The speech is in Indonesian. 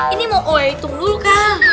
ini mau hitung dulu kak